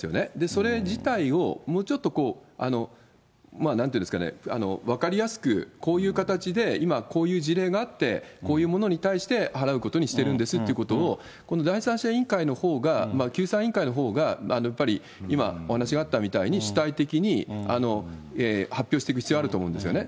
それ自体をもうちょっとなんていうんですかね、分かりやすく、こういう形で、今こういう事例があって、こういうものに対して払うことにしてるんですっていうことを、この第三者委員会のほうが、救済委員会のほうがやっぱり今、お話があったみたいに、主体的に発表していく必要あると思うんですよね。